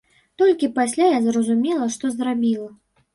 Толькі пасля я зразумела, што зрабіла.